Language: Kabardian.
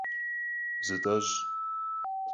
Зытӏэщӏ!